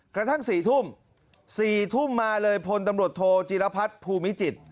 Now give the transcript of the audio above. กระทั่ง๔ทุ่ม๔ทุ่มมาเลยพลตำรวจโทจีรพัฒน์ภูมิจิตร